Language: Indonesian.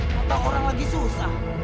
tentang orang lagi susah